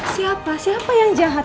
siapa siapa yang jahat